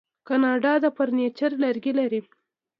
کاناډا د فرنیچر لرګي لري.